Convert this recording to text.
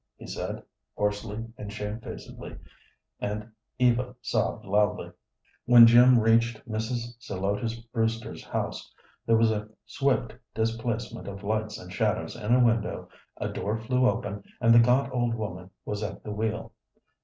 he said, hoarsely and shamefacedly, and Eva sobbed loudly. When Jim reached Mrs. Zelotes Brewster's house there was a swift displacement of lights and shadows in a window, a door flew open, and the gaunt old woman was at the wheel.